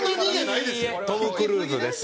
いいえトム・クルーズです。